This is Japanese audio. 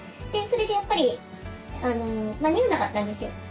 それでやっぱり間に合わなかったんですよ